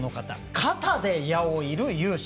肩で矢を射る勇者。